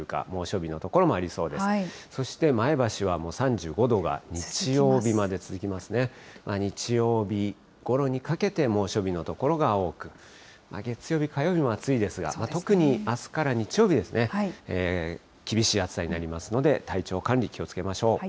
日曜日ごろにかけて猛暑日の所が多く、月曜日、火曜日も暑いですが、特にあすから日曜日ですね、厳しい暑さになりますので、体調管理、気をつけましょう。